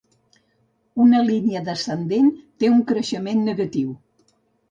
Una línia descendent té un "creixement" negatiu.